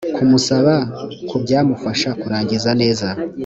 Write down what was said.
kumusaba ku byamufasha kurangiza neza